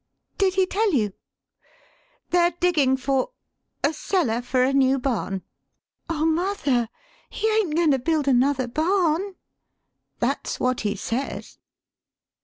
"Did he tell you?" "They're diggin' for a cellar for a new barn." 155 THE SPEAKING VOICE " Oh, mother, he ain't going to build another barn?" "That's what he says."